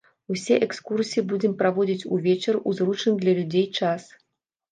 Усе экскурсіі будзем праводзіць увечары, у зручны для людзей час.